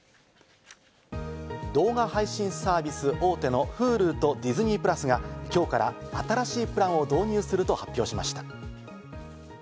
動画配信サービス大手のＨｕｌｕとディズニープラスがきょうから新しいプランを導入すると発表しました。